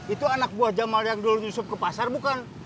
itu anak buah jamal yang dulu nyusup ke pasar bukan